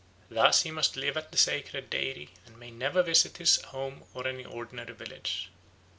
Thus he must live at the sacred dairy and may never visit his home or any ordinary village.